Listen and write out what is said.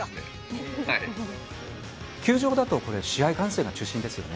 球場だとこれ、試合観戦が中心ですよね。